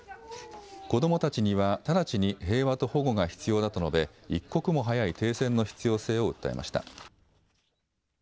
子どもたちには直ちに平和と保護が必要だと述べ一刻も早い停戦の必要性を訴えました。